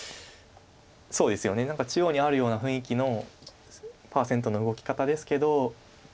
そうですよね何か中央にあるような雰囲気のパーセントの動き方ですけど。